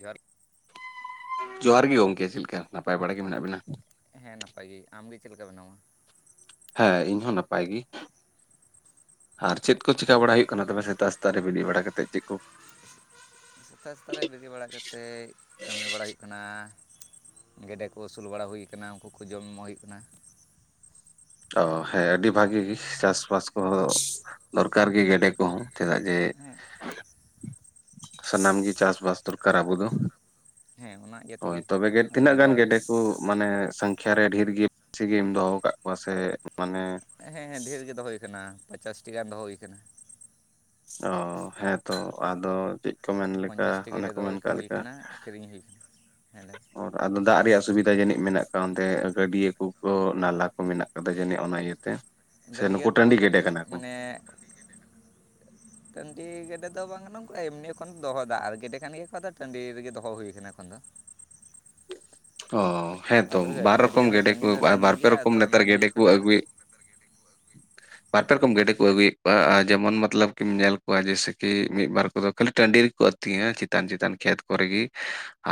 ᱡᱟᱨ ᱡᱚᱦᱟᱨ ᱜᱮ ᱜᱚᱝᱠᱮ ᱪᱮᱫ ᱞᱮᱠᱟ ᱱᱟᱯᱟᱭ ᱵᱟᱲᱟ ᱜᱮ ᱢᱮᱱᱟᱜ ᱵᱤᱱᱟ ᱦᱮᱸ ᱱᱟᱯᱟᱭ ᱜᱮ ᱟᱢ ᱜᱮ ᱪᱮᱫ ᱞᱮᱠᱟ ᱢᱮᱱᱟᱢᱟ ᱦᱮᱸ ᱤᱧ ᱦᱚᱸ ᱱᱟᱯᱟᱭ ᱜᱮ ᱟᱨ ᱪᱮᱫ ᱠᱚ ᱪᱤᱠᱟᱹ ᱵᱟᱲᱟᱭ ᱦᱩᱭᱩᱜ ᱠᱟᱱᱟ ᱛᱚᱵᱮ ᱥᱮᱛᱟᱜ ᱥᱮᱛᱟᱜ ᱨᱮ ᱵᱮᱨᱮᱫ ᱵᱟᱲᱟ ᱠᱟᱛᱮᱫ ᱪᱮᱫ ᱠᱚ ᱥᱮᱛᱟ ᱥᱮᱛᱟᱜ ᱨᱮ ᱵᱮᱨᱮᱫ ᱵᱟᱲᱟ ᱠᱟᱛᱮᱫ ᱠᱟᱹᱢᱤ ᱵᱟᱲᱟᱭ ᱦᱩᱭᱩᱜ ᱠᱟᱱᱟ ᱜᱮᱰᱮ ᱠᱚ ᱟᱹᱥᱩᱞ ᱵᱟᱲᱟ ᱦᱩᱭᱩ ᱠᱟᱱᱟ ᱩᱱᱠᱩ ᱠᱚ ᱡᱚᱢ ᱮᱢᱚᱜ ᱦᱩᱭᱩᱜ ᱠᱟᱱᱟ ᱚ ᱦᱮᱸ ᱟᱹᱰᱤ ᱵᱷᱟᱜᱤ ᱪᱟᱥᱵᱟᱥ ᱠᱚᱦᱚᱸ ᱫᱚᱨᱠᱟᱨ ᱜᱮ ᱜᱮᱰᱮ ᱠᱚᱦᱚᱸ ᱪᱮᱫᱟᱜ ᱡᱮ ᱦᱮᱸ ᱥᱟᱱᱟᱢ ᱜᱮ ᱪᱟᱥᱵᱟᱥ ᱫᱚᱨᱠᱟᱨ ᱟᱵᱚ ᱫᱚ ᱦᱮᱸ ᱚᱱᱟ ᱤᱭᱟᱹ ᱦᱳᱭ ᱛᱮᱜᱮ ᱛᱚᱵᱮ ᱜᱮ ᱟᱫᱚ ᱛᱤᱱᱟᱹᱜ ᱢᱮᱱᱫᱟ ᱜᱟᱱ ᱜᱮᱰᱮ ᱠᱚ ᱢᱟᱱᱮ ᱥᱚᱝᱠᱷᱟ ᱨᱮ ᱰᱷᱮᱨ ᱜᱮ ᱵᱮᱥᱤᱜᱮᱢ ᱫᱚᱦᱚ ᱟᱠᱟᱫ ᱠᱚᱣᱟ ᱥᱮ ᱢᱟᱱᱮ ᱦᱮᱸ ᱰᱷᱮᱨ ᱜᱮ ᱫᱚᱦᱚ ᱦᱩᱭ ᱟᱠᱟᱱᱟ ᱯᱚᱪᱟᱥᱴᱤ ᱜᱟᱱ ᱫᱚᱦᱚ ᱦᱩᱭ ᱟᱠᱟᱱᱟ ᱚ ᱦᱮᱸ ᱛᱚ ᱟᱫᱚ ᱪᱮᱫ ᱠᱚ ᱢᱮᱱ ᱞᱮᱠᱟ ᱯᱚᱧᱪᱟᱥ ᱴᱤ ᱚᱱᱮ ᱜᱮᱰᱮ ᱠᱚ ᱫᱚᱦᱚ ᱢᱮᱱ ᱠᱟᱜ ᱦᱩᱭ ᱞᱮᱠᱟ ᱠᱟᱱᱟ ᱠᱤᱨᱤᱧ ᱦᱩᱭ ᱠᱟᱱᱟ ᱦᱮᱸᱞᱳ ᱟᱫᱚ ᱫᱟᱜ ᱨᱮᱭᱟᱜ ᱥᱩᱵᱤᱫᱷᱟ ᱡᱟᱹᱱᱤᱡ ᱢᱮᱱᱟᱜ ᱛᱟᱢ ᱛᱮ ᱜᱟᱹᱰᱭᱟᱹ ᱠᱚ ᱠᱚ ᱱᱟᱞᱟ ᱠᱚ ᱢᱮᱱᱟᱜ ᱟᱠᱟᱫ ᱠᱟᱫᱟ ᱡᱟᱹᱱᱤᱡ ᱚᱱᱟ ᱤᱭᱟᱹᱛᱮ ᱥᱮ ᱜᱟᱹᱰᱭᱟᱹ ᱱᱩᱠᱩ ᱫᱚ ᱴᱟᱺᱰᱤ ᱜᱮᱰᱮ ᱠᱟᱹᱴᱤᱡ ᱠᱟᱱᱟ ᱠᱚ? ᱢᱟᱱᱮ ᱴᱟᱺᱰᱤ ᱜᱮᱰᱮ ᱫᱚ ᱵᱟᱝ ᱠᱟᱱᱟ ᱱᱩᱝᱠᱩ ᱮᱢᱱᱤ ᱮᱠᱷᱚᱱ ᱫᱚᱦᱚ ᱫᱟᱜ ᱟᱨ ᱜᱮᱰᱮ ᱠᱷᱟᱱ ᱜᱮᱠᱚ ᱴᱟᱸᱰᱤ ᱨᱮᱜᱮ ᱫᱚᱦᱚ ᱦᱩᱭᱟ ᱟᱠᱟᱱᱟ ᱮᱠᱷᱚᱱ ᱫᱚ ᱚ ᱦᱮᱸᱛᱚ ᱟᱫᱚ ᱜᱟᱹᱰᱤ ᱵᱟᱨ ᱜᱟᱹᱰᱭᱟᱹ ᱨᱚᱠᱚᱢ ᱦᱚᱸ ᱜᱮᱰᱮ ᱠᱚ ᱥᱟᱺᱜᱤᱧ ᱫᱚ ᱵᱟᱨ ᱥᱟᱺᱜᱤᱧ ᱯᱮ ᱜᱮᱭᱟ ᱨᱚᱠᱚᱢ ᱟᱫᱚ ᱱᱮᱛᱟᱨ ᱢᱮᱱ ᱜᱮᱰᱮ ᱦᱩᱭᱩᱜ ᱠᱚ ᱠᱟᱱᱟ ᱟᱨᱠᱤ ᱟᱹᱜᱩᱭᱮᱫ ᱵᱟᱨ ᱯᱮ ᱨᱚᱠᱚᱢ ᱜᱮᱰᱮ ᱠᱚ ᱪᱮᱫ ᱟᱹᱜᱩᱭᱮᱫ ᱠᱚᱣᱟ ᱟᱨ ᱡᱮᱢᱚᱱ ᱢᱚᱛᱞᱚᱵ ᱠᱤᱢ ᱧᱮᱞ ᱠᱚᱣᱟ ᱡᱮᱥᱮ ᱠᱤ ᱢᱤᱫᱵᱟᱨ ᱠᱚᱫᱚ ᱠᱷᱟᱹᱞᱤ ᱴᱟᱺᱰᱤ ᱨᱮᱠᱚ ᱟᱹᱛᱤᱧᱟ ᱪᱮᱛᱟᱱ ᱪᱮᱛᱟᱱ ᱠᱷᱮᱛ ᱠᱚᱨᱮ ᱜᱮ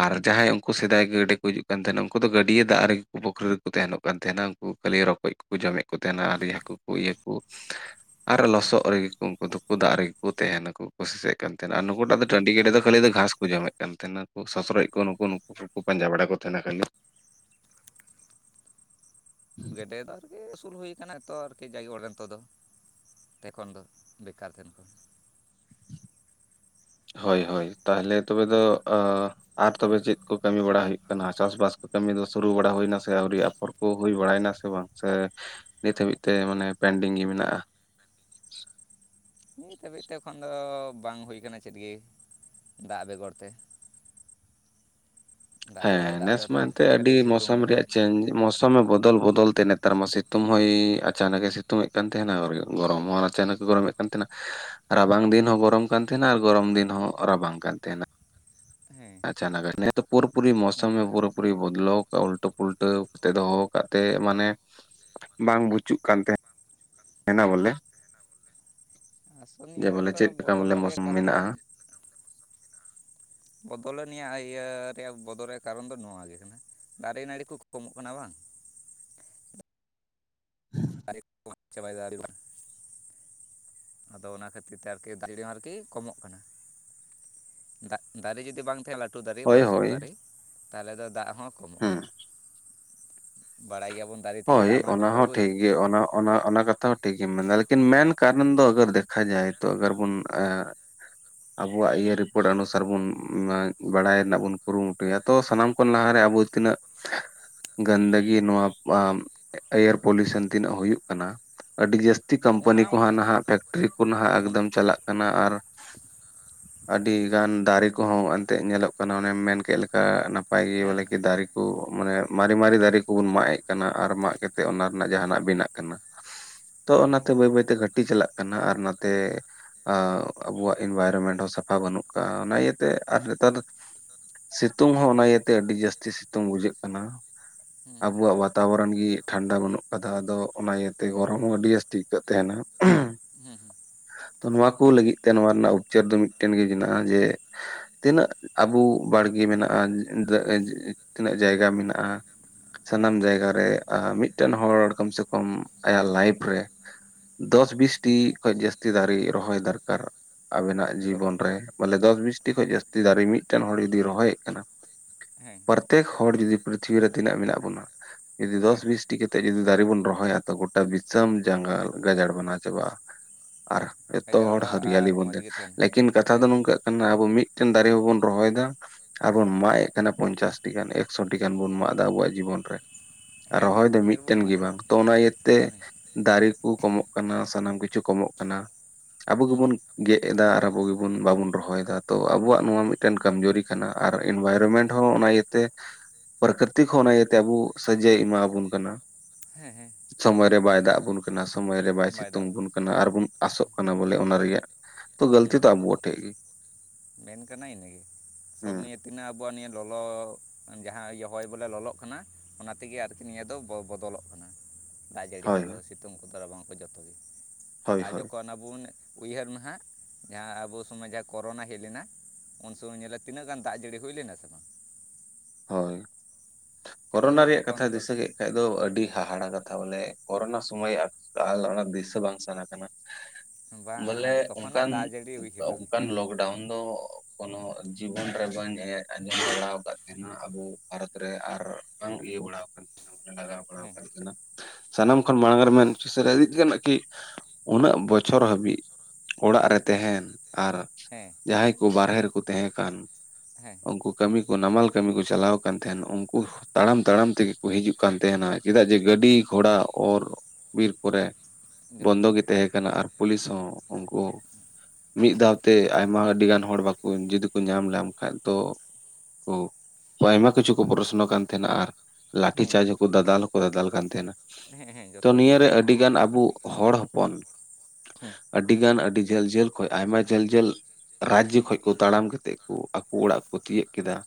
ᱟᱨ ᱡᱟᱦᱟᱸᱭ ᱩᱱᱠᱩ ᱥᱮᱫᱟᱭ ᱜᱮᱰᱤ ᱠᱚ ᱦᱤᱡᱩᱜ ᱠᱟᱱ ᱛᱟᱦᱮᱱᱟ ᱩᱱᱠᱩ ᱫᱚ ᱜᱟᱹᱰᱭᱟᱹ ᱫᱟᱜ ᱨᱮᱜᱮ ᱯᱠᱷᱨᱤ ᱨᱮᱠᱚ ᱛᱟᱦᱮᱱᱚᱜ ᱠᱟᱱ ᱛᱟᱦᱮᱱᱟ ᱩᱱᱠᱩ ᱠᱷᱟᱹᱞᱤ ᱨᱚᱠᱚᱡ ᱠᱚᱠᱚ ᱡᱚᱢᱮᱫ ᱠᱚ ᱛᱟᱦᱮᱱᱟ ᱟᱨ ᱤᱭᱟᱹ ᱦᱟᱠᱩ ᱦᱩᱭ ᱟᱠᱚ [inaudible] ᱟᱨ ᱞᱚᱥᱚᱜ ᱨᱮᱜᱮ ᱠᱚ ᱩᱱᱠᱩ ᱫᱚᱠᱚ ᱫᱟᱜ ᱨᱮᱜᱮ ᱠᱚ ᱛᱟᱦᱮᱸ ᱱᱟᱠᱚ ᱠᱩᱥᱤ ᱥᱮᱫ ᱠᱟᱱ ᱛᱟᱦᱮᱸᱱᱟ ᱟᱨ ᱱᱩᱠᱩ ᱴᱟᱜ ᱫᱚ ᱴᱟᱺᱰᱤ ᱜᱮᱰᱮ ᱫᱚ ᱦᱮᱸ ᱠᱷᱟᱹᱞᱤ ᱫᱚ ᱜᱷᱟᱸᱥ ᱠᱚ ᱡᱚᱢᱮᱫ ᱠᱟᱱ ᱛᱟᱦᱮᱸᱱᱟᱠᱩ ᱥᱚᱥᱨᱚᱡ ᱠᱚ ᱱᱩᱠᱩ ᱱᱩᱠᱩ ᱠᱚᱠᱚ ᱯᱟᱸᱡᱟ ᱵᱟᱲᱟ ᱠᱚ ᱛᱟᱦᱮᱸᱱᱟ ᱠᱷᱟᱹᱞᱤ ᱜᱮᱰᱮ ᱫᱚ ᱟᱨᱠᱤ ᱟᱹᱥᱩᱞ ᱦᱩᱭ ᱟᱠᱟᱱᱟ ᱛᱚ ᱟᱨᱠᱤ ᱡᱟᱜᱮ ᱚᱲ ᱱᱤᱛᱚᱜ ᱫᱚ ᱛᱮᱠᱷᱚᱱ ᱫᱚ ᱵᱮᱠᱟᱨ ᱛᱟᱦᱮᱱ ᱠᱚ ᱦᱳᱭ ᱦᱳᱭ ᱛᱟᱦᱚᱞᱮ ᱛᱚᱵᱮ ᱫᱚ ᱟᱸ ᱟᱨ ᱛᱚᱵᱮ ᱪᱮᱫ ᱠᱚ ᱠᱟᱹᱢᱤ ᱵᱟᱲᱟ ᱦᱩᱭᱩᱜ ᱠᱟᱱᱟ ᱪᱟᱥ ᱵᱟᱥ ᱠᱚ ᱠᱟᱹᱢᱤ ᱫᱚ ᱥᱩᱨᱩ ᱵᱟᱲᱟ ᱦᱩᱭᱮᱱᱟ ᱥᱮ ᱟᱹᱣᱨᱤᱭᱟ ᱦᱚᱲ ᱠᱚ ᱦᱩᱭ ᱵᱟᱲᱟᱭᱮᱱᱟ ᱥᱮ ᱵᱟᱝ ᱥᱮ ᱱᱤᱛ ᱦᱟᱹᱵᱤᱡ ᱛᱮ ᱢᱟᱱᱮ ᱯᱮᱱᱰᱤᱝ ᱜᱮ ᱢᱮᱱᱟᱜ-ᱟ ᱱᱤᱛ ᱫᱷᱟᱹᱵᱤᱡ ᱛᱮ ᱮᱠᱷᱚᱱ ᱫᱚ ᱵᱟᱝ ᱦᱩᱭ ᱟᱠᱟᱱᱟ ᱪᱮᱫ ᱜᱮ ᱫᱟᱜ ᱵᱮᱜᱚᱨ ᱛᱮ ᱫᱟᱜ ᱜᱮ ᱵᱟᱭ ᱦᱮᱸ ᱫᱟᱜ ᱱᱮᱥ ᱮᱫᱟ ᱢᱟ ᱛᱚ ᱮᱱᱛᱮ ᱟᱹᱰᱤ ᱠᱷᱟᱹᱞᱤ ᱥᱤᱛᱩᱝ ᱢᱚᱥᱚᱢ ᱫᱟ ᱨᱮᱭᱟᱜ ᱪᱮᱧᱡ ᱢᱚᱥᱚᱢᱮ ᱵᱚᱫᱚᱞ ᱵᱚᱫᱚᱞ ᱛᱮ ᱱᱮᱛᱟᱨ ᱢᱟ ᱥᱤᱛᱩᱝ ᱦᱚᱸᱭ ᱟᱪᱟᱱᱟᱠᱮ ᱥᱤᱛᱩᱝ ᱮᱫ ᱛᱟᱦᱮᱱᱟ ᱟᱨ ᱜᱚᱨᱚᱢ ᱦᱚᱸ ᱟᱪᱱᱟ ᱮ ᱜᱚᱨᱚᱢᱮᱫ ᱠᱟᱱ ᱛᱟᱦᱮᱱᱟ ᱨᱟᱵᱟᱝ ᱫᱤᱱ ᱦᱚᱸ ᱜᱚᱨᱚᱢ ᱠᱟᱱ ᱛᱟᱦᱮᱱᱟ ᱟᱨ ᱜᱚᱨᱚᱢ ᱫᱤᱱ ᱦᱚᱸ ᱨᱟᱵᱟᱝ ᱠᱟᱱ ᱛᱟᱦᱮᱱᱟ ᱦᱮᱸ ᱯᱩᱨᱟᱹ ᱯᱩᱨᱤ ᱢᱳᱥᱚᱢᱮ ᱚᱱᱠᱟᱜᱮ ᱯᱩᱨᱟᱹ ᱯᱩᱨᱤ ᱵᱚᱫᱞᱳ ᱩᱞᱴ ᱯᱚᱞᱴ ᱠᱟᱛᱮ ᱫᱚᱦᱚ ᱟᱠᱟᱫ ᱛᱮ ᱢᱟᱱᱮ ᱵᱟᱝ ᱵᱩᱪᱩᱜ ᱠᱟᱱ ᱛᱟᱦᱮᱸᱱᱟ ᱵᱚᱞᱮ ᱡᱮ ᱟᱥᱚᱱᱤᱭᱟᱹ ᱵᱚᱞᱮ ᱫᱚ ᱪᱮᱫ ᱞᱮᱠᱟ ᱵᱚᱫᱚᱞ ᱵᱚᱞᱮ ᱨᱮᱭᱟᱜ ᱢᱳᱥᱩᱢ ᱠᱟᱨᱚᱱ ᱫᱚ ᱢᱮᱱᱟᱜᱼᱟ ᱵᱚᱫᱚᱞ ᱱᱤᱭᱟᱹ ᱤᱭᱟᱹ ᱨᱮᱭᱟᱜ ᱵᱚᱫᱚᱞ ᱨᱮᱭᱟᱜ ᱠᱟᱨᱚᱱ ᱫᱚ ᱱᱚᱣᱟ ᱜᱮ ᱠᱟᱱᱟ ᱫᱟᱨᱮ ᱱᱟᱹᱲᱤ ᱠᱚ ᱠᱚᱢᱚᱜ ᱠᱟᱱᱟ ᱵᱟᱝ ᱫᱟᱨᱮ ᱠᱚ ᱢᱟᱜ ᱪᱟᱵᱟᱭᱮᱫᱟ ᱵᱚᱱ ᱟᱫᱚ ᱚᱱᱟ ᱠᱷᱟᱹᱛᱤᱨ ᱛᱮ ᱟᱨᱠᱤ ᱫᱟᱜ ᱡᱟᱹᱲᱤ ᱦᱚᱸ ᱟᱨᱠᱤ ᱠᱚᱢᱚᱜ ᱠᱟᱱᱟ ᱫᱟᱨᱮ ᱡᱩᱫᱤ ᱵᱟᱝ ᱛᱟᱦᱮᱱᱟ ᱞᱟᱹᱴᱩ ᱞᱟᱹᱴᱩ ᱫᱟᱨᱮ ᱦᱳᱭ ᱵᱚᱭᱚᱥᱠᱚ ᱦᱳᱭ ᱫᱟᱨᱮ ᱛᱟᱦᱚᱞᱮ ᱫᱚ ᱫᱟᱜ ᱦᱚᱸ ᱠᱚᱢᱚᱜ-ᱟ ᱦᱩᱸ ᱵᱟᱲᱟᱭ ᱜᱮᱭᱟ ᱵᱚᱱ ᱫᱟᱨᱮ ᱛᱮᱜᱮ ᱦᱳᱭ ᱫᱟᱜ ᱢᱟᱭ ᱚᱱᱟ ᱚᱨ ᱦᱚᱸ ᱟᱹᱜᱩᱭ ᱴᱷᱤᱠ ᱜᱮ ᱚᱱᱟ ᱚᱱᱟ ᱚᱱᱟ ᱠᱟᱛᱷᱟ ᱦᱚᱸ ᱴᱷᱤᱠ ᱜᱮᱢ ᱢᱮᱱᱫᱟ ᱞᱮᱠᱤᱱ ᱢᱮᱱ ᱠᱟᱨᱚᱱ ᱫᱚ ᱟᱜᱟᱨ ᱫᱮᱠᱷᱟ ᱡᱟᱭ ᱛᱚ ᱟᱜᱟᱨ ᱵᱚᱱ ᱮᱸ ᱟᱵᱚᱣᱟᱜ ᱤᱭᱟᱹ ᱨᱤᱯᱳᱨᱴ ᱚᱱᱩᱥᱟᱨ ᱵᱚᱱ ᱵᱟᱲᱟᱭ ᱨᱮᱱᱟᱜ ᱵᱚᱱ ᱠᱩᱨᱩᱢᱩᱴᱩᱭᱟ ᱛᱚ ᱥᱟᱱᱟᱢ ᱠᱷᱚᱱ ᱞᱟᱦᱟ ᱨᱮ ᱟᱵᱚ ᱛᱤᱱᱟᱹᱜ [unintelligible] ᱜᱟᱱᱫᱟᱹᱜᱤ ᱱᱚᱣᱟ ᱮᱭᱟᱨ ᱯᱚᱞᱤᱭᱩᱥᱚᱱ ᱛᱤᱱᱟᱹᱜ ᱦᱩᱭᱩᱜ ᱠᱟᱱᱟ ᱟᱹᱰᱤ ᱡᱟᱹᱥᱛᱤ ᱦᱮᱸ ᱠᱳᱢᱯᱟᱱᱤ ᱠᱚ ᱚᱱᱟ ᱱᱟᱦᱟᱜ ᱯᱷᱮᱠᱴᱨᱤ ᱠᱚ ᱱᱟᱦ ᱮᱠᱫᱚᱢ ᱪᱟᱞᱟᱜ ᱠᱟᱱᱟ ᱟᱨ ᱟᱹᱰᱤ ᱜᱟᱱ ᱫᱟᱨᱮ ᱠᱚᱦᱚᱸ ᱮᱱᱛᱮᱫ ᱧᱮᱞᱚᱜ ᱠᱟᱱᱟ ᱚᱱᱮᱢ ᱢᱮᱱ ᱠᱮᱜ ᱞᱮᱠᱟ ᱱᱟᱯᱟᱭ ᱜᱮ ᱦᱮᱸ ᱵᱚᱞᱮ ᱠᱤ ᱫᱟᱨᱮ ᱠᱚ ᱢᱟᱱᱮ ᱢᱟᱨᱮ ᱢᱟᱨᱮ ᱫᱟᱨᱮ ᱠᱚᱵᱚᱱ ᱢᱟᱜ ᱮᱫ ᱠᱟᱱᱟ ᱟᱨ ᱢᱟᱜ ᱠᱟᱛᱮᱫ ᱚᱱᱟ ᱨᱮᱱᱟᱜ ᱡᱟᱦᱟᱱᱟᱜ ᱵᱮᱱᱟᱜ ᱠᱟᱱᱟ ᱛᱚ ᱦᱮᱸ ᱚᱱᱟ ᱦᱮᱸ ᱛᱮ ᱵᱟᱹᱭ ᱵᱟᱹᱭ ᱛᱮ ᱜᱷᱟᱹᱴᱛᱤ ᱪᱟᱞᱟᱜ ᱠᱟᱱᱟ ᱟᱨ ᱚᱱᱟ ᱛᱮ ᱟᱸ ᱟᱵᱚᱣᱟᱜ ᱤᱱᱵᱷᱟᱨᱚᱢᱮᱱᱴ ᱦᱚᱸ ᱥᱟᱯᱷᱟ ᱵᱟᱹᱱᱩᱜ ᱟᱠᱟᱫᱟ ᱚᱱᱟ ᱤᱭᱟᱹᱛᱮ ᱟᱨ ᱱᱮᱛᱟᱨ ᱫᱚ ᱥᱤᱛᱩᱝ ᱦᱚᱸ ᱚᱱᱟ ᱤᱭᱟᱹᱛᱮ ᱟᱹᱰᱤ ᱡᱟᱹᱥᱛᱤ ᱥᱤᱛᱩᱝ ᱵᱩᱡᱷᱟᱹᱜ ᱠᱟᱱᱟ ᱦᱩᱸ ᱟᱵᱚᱣᱟᱜ ᱵᱟᱛᱟ ᱵᱚᱨᱚᱱ ᱜᱮ ᱴᱷᱟᱱᱰᱟ ᱵᱟᱹᱱᱩᱜ ᱟᱠᱟᱫᱟ ᱟᱫᱚ ᱚᱱᱟ ᱤᱭᱟᱹᱛᱮ ᱦᱩᱸ ᱜᱚᱨᱚᱢ ᱦᱚᱸ ᱟᱹᱰᱤ ᱡᱟᱹᱥᱛᱤ ᱴᱤᱠ ᱠᱚ ᱛᱟᱦᱮᱱᱟ ᱦᱩᱸ ᱛᱚ ᱱᱚᱣᱟ ᱠᱚ ᱚᱱᱟ ᱞᱟᱹᱜᱤᱫ ᱛᱮ ᱱᱚᱣᱟ ᱨᱮᱱᱟᱜ ᱩᱪᱪᱟᱨ ᱫᱚ ᱢᱤᱫᱴᱮᱱ ᱜᱮ ᱢᱮᱱᱟᱜ-ᱟ ᱡᱮ ᱛᱤᱱᱟᱹᱜ ᱟᱵᱚ ᱵᱟᱲᱜᱮ ᱢᱮᱱᱟᱜ-ᱟ [unintelligible] ᱛᱤᱱᱟᱹᱜ ᱡᱟᱭᱜᱟ ᱢᱮᱱᱟᱜ-ᱟ ᱥᱟᱱᱟᱢ ᱦᱮᱸ ᱡᱟᱭᱜᱟ ᱨᱮ ᱢᱤᱫᱴᱮᱱ ᱦᱚᱲ ᱠᱚᱢ ᱥᱮ ᱠᱚᱢ ᱟᱭᱟᱜ ᱞᱟᱭᱤᱯᱷ ᱨᱮ ᱫᱚᱥ ᱵᱤᱥ ᱴᱤ ᱠᱷᱚᱱ ᱡᱟᱹᱥᱛᱤ ᱫᱟᱨᱮ ᱨᱚᱦᱚᱭ ᱫᱚᱨᱠᱟᱨ ᱟᱵᱮᱱᱟᱜ ᱡᱤᱵᱚᱱ ᱫᱚᱨᱠᱟᱨ ᱨᱮ ᱵᱚᱞᱮ ᱫᱚᱥ ᱵᱤᱥᱴᱤ ᱠᱷᱚᱱ ᱡᱟᱹᱥᱛᱤ ᱫᱟᱨᱮ ᱢᱤᱫᱴᱮᱱ ᱦᱚᱲ ᱡᱩᱫᱤ ᱨᱚᱦᱚᱭᱮᱫ ᱠᱟᱱᱟ ᱦᱮᱸ ᱯᱨᱚᱛᱛᱮᱠ ᱦᱚᱲ ᱡᱩᱫᱤ ᱯᱨᱤᱛᱷᱤᱵᱤ ᱨᱮ ᱛᱤᱱᱟᱹᱜ ᱢᱮᱱᱟᱜ ᱵᱚᱱᱟ ᱡᱩᱫᱤ ᱫᱚᱥ ᱦᱮᱸ ᱵᱤᱥᱴᱤ ᱠᱟᱛᱮᱫ ᱡᱩᱫᱤ ᱫᱟᱨᱮ ᱵᱚᱱ ᱨᱚᱦᱚᱭᱟ ᱛᱚ ᱜᱚᱴᱟ ᱫᱤᱥᱚᱢ ᱡᱟᱸᱜᱟᱞ ᱜᱟᱡᱟᱲ ᱵᱮᱱᱟᱣ ᱪᱟᱵᱟᱜ-ᱟ ᱟᱨ ᱦᱮᱸ ᱮᱛᱚ ᱦᱚᱲ ᱜᱟᱡᱟᱲᱚᱜᱼᱟ ᱦᱟᱹᱨᱭᱟᱞᱤ ᱟᱨ ᱢᱚᱡᱽ ᱵᱚᱱᱛᱮ ᱜᱮ ᱛᱟᱦᱮᱱᱟ ᱞᱮᱠᱤᱱ ᱠᱟᱛᱷᱟ ᱦᱮᱸ ᱫᱚ ᱱᱚᱝᱠᱟ ᱟᱵᱚ ᱢᱤᱫᱴᱮᱱ ᱫᱟᱨᱮ ᱦᱚᱸ ᱵᱚᱱ ᱨᱚᱦᱚᱭ ᱮᱫᱟ ᱟᱨ ᱵᱚᱱ ᱢᱟᱜ ᱮᱫ ᱠᱟᱱᱟ ᱯᱚᱧᱪᱟᱥᱴᱤ ᱜᱟᱱ ᱮᱠᱥᱚᱴᱤ ᱜᱟᱱ ᱵᱚᱱ ᱢᱟᱜ ᱮᱫᱟ ᱟᱵᱚᱣᱟᱜ ᱡᱤᱵᱚᱱ ᱨᱮ ᱟᱨ ᱦᱮᱸ ᱦᱮᱸ ᱨᱚᱦᱚᱭ ᱫᱚ ᱰᱷᱮᱨ ᱵᱚᱱ ᱢᱤᱫᱴᱮᱱ ᱮᱢᱟᱜ ᱜᱮ ᱮᱫᱟ ᱵᱟᱝ ᱛᱚ ᱚᱱᱟ ᱤᱭᱟᱹᱛᱮ ᱦᱮᱸ ᱦᱮᱸ ᱫᱟᱨᱮ ᱠᱚ ᱠᱚᱢᱚᱜ ᱠᱟᱱᱟ ᱥᱟᱱᱟᱢ ᱠᱤᱪᱷᱩ ᱠᱚᱢᱚᱜ ᱠᱟᱱᱟ ᱟᱵᱚ ᱦᱮᱸ ᱜᱮᱵᱚᱱ ᱜᱮᱫ ᱮᱫᱟ ᱟᱵᱚ ᱜᱮᱵᱚᱱ ᱵᱟᱵᱚᱱ ᱨᱚᱦᱚᱭ ᱫᱟ ᱛᱚ ᱟᱵᱚᱣᱟᱜ ᱱᱚᱣᱟ ᱢᱤᱫᱴᱮᱱ ᱠᱚᱢᱡᱩᱨᱤ ᱠᱟᱱᱟ ᱟᱨ ᱤᱱᱵᱷᱟᱨᱢᱮᱱᱴ ᱦᱚᱸ ᱚᱱᱟ ᱤᱭᱟᱹᱛᱮ ᱯᱨᱟᱠᱨᱤᱛᱤᱠ ᱦᱚᱸ ᱚᱱᱟ ᱤᱭᱟᱹᱛᱮ ᱟᱵᱚ ᱥᱟᱡᱟᱭ ᱮᱢᱟᱵᱚᱱ ᱠᱟᱱᱟ ᱦᱮᱸ ᱦᱮᱸ ᱥᱚᱢᱚᱭ ᱨᱮ ᱵᱟᱭ ᱫᱟᱜ ᱟᱵᱚᱱ ᱠᱟᱱᱟ ᱥᱚᱢᱚᱭ ᱨᱮ ᱵᱟᱭ ᱥᱤᱛᱩᱝ ᱫᱟᱜ ᱮᱫᱟ ᱵᱚᱱ ᱠᱟᱱᱟ ᱟᱨᱵᱚᱱ ᱟᱥᱚᱜ ᱠᱟᱱᱟ ᱵᱚᱞᱮ ᱚᱱᱟ ᱨᱮᱭᱟᱜ ᱛᱚ ᱜᱟᱹᱞᱛᱤ ᱦᱮᱸ ᱫᱚ ᱟᱵᱚᱣᱟᱜ ᱱᱤᱛᱚᱜ ᱜᱮ ᱢᱮᱱ ᱠᱟᱱᱟ ᱤᱱᱟᱹᱜᱮ ᱟᱥᱚᱞ ᱦᱩᱸ ᱱᱤᱭᱟᱹ ᱛᱤᱱᱟᱹᱜ ᱟᱵᱚᱣᱟᱜ ᱱᱤᱭᱟᱹ ᱞᱚᱞᱚᱻᱻ ᱡᱟᱦᱟᱸ ᱤᱭᱟᱹ ᱦᱚᱭ ᱵᱚᱞᱮ ᱞᱚᱞᱚᱜ ᱠᱟᱱᱟ ᱚᱱᱟ ᱛᱮᱜᱮ ᱟᱨᱠᱤ ᱱᱤᱭᱟᱹ ᱫᱚ ᱵᱚ ᱵᱚᱫᱚᱞᱚᱜ ᱠᱟᱱᱟ ᱫᱟᱜ ᱡᱟᱹᱲᱤ ᱦᱳᱭ ᱠᱚᱫᱚ ᱥᱤᱛᱩᱝ ᱠᱚᱫᱚ ᱨᱟᱵᱟᱝ ᱠᱚ ᱡᱚᱛᱚ ᱜᱮ ᱦᱳᱭ ᱟᱨ ᱦᱳᱭ ᱡᱚᱠᱷᱚᱱ ᱚᱱᱟᱵᱚᱱ ᱩᱭᱦᱟᱹᱨ ᱢᱟᱦᱟᱜ ᱡᱟᱦᱟᱸ ᱟᱵᱚ ᱥᱚᱢᱚᱭ ᱡᱟᱦᱟᱸ ᱠᱳᱨᱳᱱᱟ ᱦᱩᱭᱩᱜ ᱦᱮᱡ ᱞᱮᱱᱟ ᱩᱱ ᱥᱚᱢᱚᱭ ᱧᱮᱞᱟ ᱛᱤᱱᱟᱹᱜ ᱜᱟᱱ ᱫᱟᱜ ᱡᱟᱹᱲᱤ ᱦᱩᱭ ᱞᱮᱱᱟ ᱥᱮ ᱵᱟᱝ ᱦᱳᱭ ᱪᱮᱫᱟᱜ ᱠᱳᱨᱳᱱᱟ ᱥᱮ ᱨᱮᱭᱟᱜ ᱠᱟᱛᱷᱟ ᱛᱚᱠᱷᱚᱱ ᱫᱚ ᱫᱤᱥᱟᱹ ᱵᱟᱠᱷᱟᱡ ᱫᱚ ᱟᱹᱰᱤ ᱦᱟᱦᱟᱲᱟ ᱠᱟᱛᱷᱟ ᱵᱚᱞᱮ ᱠᱳᱨᱳᱱᱟ ᱥᱚᱢᱚᱭ ᱠᱟᱞ ᱚᱱᱟ ᱫᱤᱥᱟᱹ ᱵᱟᱝ ᱥᱟᱱᱟ ᱠᱟᱱᱟ ᱵᱟᱝ ᱵᱚᱞᱮ ᱟᱫᱚ ᱛᱚᱠᱷᱚᱱᱟᱜ ᱚᱱᱠᱟᱱ ᱫᱟᱜ ᱡᱟᱹᱲᱤ ᱩᱭᱦᱟᱹᱨ ᱢᱮ ᱚᱱᱠᱟᱱ ᱞᱚᱜᱽ ᱰᱟᱣᱩᱱ ᱫᱚ ᱠᱚᱱᱚ ᱡᱤᱵᱚᱱ ᱨᱮ ᱵᱟᱹᱧ ᱟᱸᱡᱚᱢ ᱵᱟᱲᱟ ᱟᱠᱟᱫ ᱾ ᱛᱟᱦᱮ ᱱᱟ ᱟᱵᱚ ᱵᱷᱟᱨᱚᱛ ᱨᱮ ᱟᱨ ᱵᱟᱝ ᱤᱭᱟᱹ ᱵᱟᱲ ᱟᱠᱟᱱ ᱛᱟᱦᱮᱱᱟ ᱢᱟᱱᱮ ᱞᱟᱜᱟᱣ ᱵᱟᱲᱟ ᱦᱮᱸ ᱠᱟᱱ ᱛᱟᱦᱮᱱᱟ ᱾ ᱥᱟᱱᱟᱢ ᱠᱷᱚᱱ ᱢᱟᱲᱟᱝ ᱨᱮ ᱢᱮᱱ ᱩᱥᱟᱹᱨᱟ ᱤᱫᱤ ᱜᱟᱱᱚᱜ ᱠᱤ ᱩᱱᱟᱹᱜ ᱵᱚᱪᱷᱚᱨ ᱦᱟᱹᱵᱤᱡ ᱚᱲᱟᱜ ᱦᱮᱸ ᱨᱮ ᱛᱟᱦᱮᱱ ᱟᱨ ᱦᱮᱸ ᱡᱟᱦᱟᱸᱭ ᱠᱚ ᱵᱟᱨᱦᱮ ᱨᱮᱠᱚ ᱛᱟᱦᱮᱸ ᱠᱟᱱ ᱩᱱᱠᱩ ᱠᱟᱹᱢᱤ ᱠᱚ ᱱᱟᱢᱟᱞ ᱠᱟᱹᱢᱤ ᱠᱚ ᱪᱟᱞᱟᱣ ᱟᱠᱟᱱ ᱛᱟᱦᱮᱱ ᱩᱱᱠᱩ ᱛᱟᱲᱟᱢ ᱛᱟᱲᱟᱢ ᱛᱮᱜᱮ ᱠᱚ ᱦᱤᱡᱩᱜ ᱠᱟᱱ ᱛᱟᱦᱮᱱᱟ ᱪᱮᱫᱟᱜ ᱡᱮ ᱜᱟᱹᱰᱤ ᱦᱮᱸ ᱜᱷᱚᱲᱟ ᱚᱨ ᱵᱤᱨ ᱠᱚᱨᱮ ᱦᱮᱸ ᱵᱚᱱᱫᱚ ᱡᱚᱛᱚ ᱜᱮ ᱛᱟᱦᱮᱸ ᱠᱟᱱᱟ ᱟᱨ ᱯᱩᱞᱤᱥ ᱦᱚᱸ ᱩᱱᱠᱩ ᱢᱤᱫ ᱫᱷᱟᱣᱛᱮ ᱟᱭᱢᱟ ᱟᱹᱰᱤ ᱜᱟᱱ ᱦᱚᱲ ᱵᱟᱠᱚ ᱡᱚᱫᱤ ᱠᱚ ᱧᱟᱢ ᱞᱮᱢ ᱠᱷᱟᱱ ᱫᱚ ᱳ ᱟᱭᱢᱟ ᱠᱤᱪᱷᱩ ᱠᱚ ᱯᱚᱨᱚᱥᱱᱚ ᱠᱟᱱ ᱛᱟᱦᱮᱸᱱᱟ ᱟᱨ ᱞᱟᱴᱷᱤ ᱦᱮᱸ ᱪᱟᱪ ᱦᱚᱸᱠᱚ ᱫᱟᱫᱟᱞ ᱦᱚᱸᱠᱚ ᱫᱟᱫᱟᱞ ᱠᱟᱱ ᱛᱟᱦᱮᱱᱟ ᱾ ᱦᱮᱸ ᱦᱮᱸ ᱛᱚ ᱡᱚᱛᱚ ᱜᱮ ᱱᱤᱭᱟᱹᱨᱮ ᱟᱹᱰᱤ ᱜᱟᱱ ᱟᱵᱚ ᱦᱚᱲ ᱦᱚᱯᱚᱱ ᱦᱮᱸ ᱟᱹᱰᱤ ᱜᱟᱱ ᱟᱹᱰᱤ ᱡᱷᱟᱹᱞ ᱡᱷᱟᱹᱞ ᱠᱷᱚᱱ ᱟᱭᱢᱟ ᱡᱷᱟᱹᱞ ᱡᱷᱟᱹᱞ ᱨᱟᱡᱽᱡᱚ ᱠᱷᱚᱡ ᱠᱚ ᱛᱟᱲᱟᱢ ᱠᱟᱛᱮᱫ ᱠᱚ ᱟᱠᱚ ᱚᱲᱟᱜ ᱠᱚ ᱛᱤᱭᱳᱟᱹᱜ ᱠᱮᱫᱟ ᱾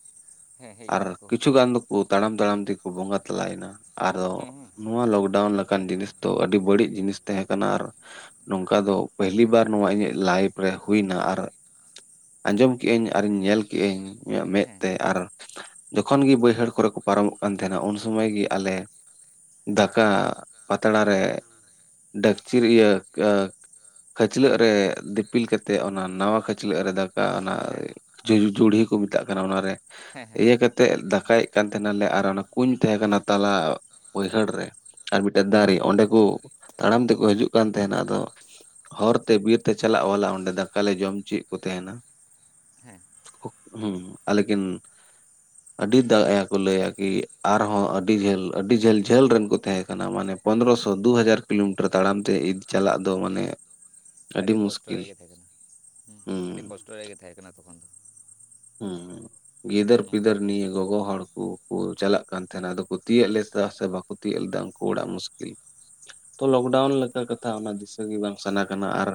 ᱦᱮᱸ ᱦᱮᱡ ᱟᱨ ᱠᱟᱱᱟ ᱠᱚ ᱠᱤᱪᱷᱩ ᱜᱟᱱ ᱫᱚᱠᱚ ᱛᱟᱲᱟᱢ ᱛᱟᱲᱟᱢ ᱛᱮ ᱜᱮᱠᱚ ᱵᱚᱸᱜᱟ ᱛᱟᱞᱟᱭᱮᱱᱟ ᱾ ᱟᱫᱚ ᱦᱮᱸ ᱦᱮᱸ ᱱᱚᱣᱟ ᱞᱚᱠᱰᱟᱣᱩᱱ ᱞᱮᱠᱟᱱ ᱡᱤᱱᱤᱥ ᱫᱚ ᱟᱹᱰᱤ ᱵᱟᱹᱲᱤᱡ ᱡᱤᱱᱤᱥ ᱛᱟᱦᱮᱸ ᱠᱟᱱᱟ ᱟᱨ ᱱᱚᱝᱠᱟ ᱫᱚ ᱯᱟᱹᱦᱞᱤ ᱵᱟᱨ ᱱᱚᱣᱟ ᱤᱧᱟᱹᱜ ᱞᱟᱭᱤᱯᱷ ᱨᱮ ᱦᱩᱭᱱᱟ ᱟᱨ ᱟᱸᱡᱚᱢ ᱠᱮᱜᱼᱟᱹᱧ ᱟᱨᱤ ᱧᱮᱞ ᱠᱮᱜᱼᱟᱹᱧ ᱤᱧᱟᱹᱜ ᱦᱮᱸ ᱢᱮᱸᱫᱛᱮ ᱟᱨ ᱡᱚᱠᱷᱚᱱ ᱜᱮ ᱵᱟᱹᱭᱦᱟᱹᱲ ᱠᱚᱨᱮ ᱠᱚ ᱯᱟᱨᱚᱢᱚᱜ ᱠᱟᱱ ᱛᱟᱦᱮᱱᱟ ᱩᱱ ᱥᱚᱢᱚᱭ ᱜᱮ ᱟᱞᱮ ᱦᱮᱸ ᱫᱟᱠᱟ ᱯᱟᱛᱲᱟ ᱨᱮ ᱰᱮᱠᱪᱤᱨ ᱤᱭᱟᱹ ᱟ. ᱠᱷᱟᱹᱪᱞᱟᱹᱜ ᱨᱮ ᱫᱤᱯᱤᱞ ᱠᱟᱛᱮᱫ ᱚᱱᱟ ᱱᱟᱣᱟ ᱠᱷᱟᱹᱪᱞᱟᱹᱜ ᱨᱮ ᱫᱟᱠᱟ ᱚᱱᱟ ᱦᱮᱸ ᱡᱩ ᱡᱩᱲᱦᱤ ᱠᱚ ᱢᱮᱛᱟᱜ ᱠᱟᱱᱟ ᱚᱱᱟᱨᱮ ᱦᱮᱸ ᱦᱮᱸ ᱤᱭᱟᱹ ᱠᱟᱛᱮᱫ ᱫᱟᱠᱟᱭᱮᱫ ᱠᱟᱱ ᱛᱟᱦᱮᱱᱟᱞᱮ ᱟᱨ ᱚᱱᱟ ᱠᱩᱧ ᱛᱟᱦᱮᱸ ᱠᱟᱱᱟ ᱛᱟᱞᱟ ᱵᱟᱹᱭᱦᱟᱹᱲ ᱨᱮ ᱟᱨ ᱢᱤᱫᱴᱮᱡ ᱦᱮᱸ ᱫᱟᱨᱮ ᱚᱸᱰᱮ ᱠᱚ ᱛᱟᱲᱟᱢ ᱛᱮᱠᱚ ᱦᱤᱡᱩᱜ ᱠᱟᱱ ᱛᱟᱦᱮᱱᱟ ᱟᱫᱚ ᱦᱚᱨᱛᱮ ᱵᱤᱨᱛᱮ ᱪᱟᱞᱟᱜ ᱚᱞᱟᱜ ᱣᱟᱞᱟ ᱚᱸᱰᱮ ᱫᱟᱠᱟᱞᱮ ᱡᱚᱢ ᱚᱪᱚᱭᱮᱫ ᱠᱚ ᱛᱟᱦᱮᱱᱟ ᱾ ᱦᱮᱸ ᱦᱮᱸ ᱟᱞᱮᱜᱤᱱ ᱟᱹᱰᱤ ᱫᱟᱜᱭᱟ ᱠᱚ ᱞᱟᱹᱭᱟ ᱠᱤ ᱟᱨᱦᱚᱸ ᱟᱹᱰᱤ ᱡᱷᱟᱹᱞ ᱟᱹᱰᱤ ᱡᱷᱟᱹᱞ ᱡᱷᱟᱹᱞ ᱨᱮᱱ ᱠᱚ ᱛᱟᱦᱮᱸ ᱠᱟᱱᱟ ᱢᱟᱱᱮ ᱯᱚᱱᱨᱚᱚᱥᱚ ᱫᱩ ᱦᱟᱡᱟᱨ ᱠᱤᱞᱳᱢᱤᱴᱟᱨ ᱛᱟᱲᱟᱢ ᱛᱮ ᱤᱫᱤ ᱪᱟᱞᱟᱜ ᱫᱚ ᱢᱟᱱᱮ ᱟᱹᱰᱤ ᱠᱚᱥᱴᱚ ᱨᱮᱭᱟᱜ ᱜᱮ ᱛᱟᱦᱮᱸ ᱠᱟᱱᱟ ᱦᱮᱸ ᱟᱹᱰᱤ ᱦᱩᱸ ᱠᱚᱥᱴᱚ ᱨᱮᱜᱮ ᱛᱟᱦᱮᱸ ᱠᱟᱱᱟ ᱠᱚ ᱵᱟᱝ ᱦᱩ ᱜᱤᱫᱟᱹᱨ ᱱᱚᱝᱠᱟ ᱯᱤᱫᱟᱹᱨ ᱠᱚ ᱱᱤᱭᱟᱹ ᱜᱚᱜᱚ ᱦᱚᱲ ᱩᱱ ᱠᱚ ᱪᱟᱞᱟᱜ ᱠᱟᱱ ᱛᱟᱦᱮᱱᱟ ᱟᱫᱚ ᱠᱚ ᱛᱤᱭᱳᱜ ᱞᱮᱫ ᱞᱮᱫᱟ ᱥᱮ ᱵᱟᱠᱚ ᱛᱤᱭᱳᱜ ᱞᱮᱫᱟ ᱩᱱᱠᱩ ᱚᱲᱟᱜ ᱢᱩᱥᱠᱤᱞ ᱛᱚ ᱞᱚᱠᱰᱟᱣᱩᱱ ᱞᱮᱠᱟ ᱠᱟᱛᱷᱟ ᱚᱱᱟ ᱫᱤᱥᱟᱹ ᱜᱮ ᱵᱟᱝ ᱥᱟᱱᱟ ᱠᱟᱱᱟ ᱟᱨ